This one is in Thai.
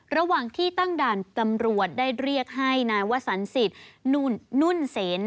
ระหว่างที่ตั้งด่านตำรวจได้เรียกให้นายวสันสิทธิ์นุ่นเซน